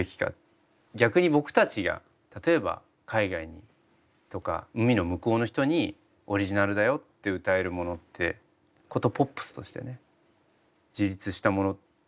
逆に僕たちが例えば海外にとか海の向こうの人にオリジナルだよって歌えるものって殊ポップスとしてね自立したもの